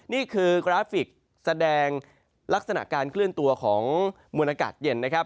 นี่คือกราฟิกแสดงลักษณะการเคลื่อนตัวของมวลอากาศเย็นนะครับ